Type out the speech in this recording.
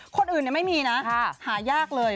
คนอื่นไม่มีนะหายากเลย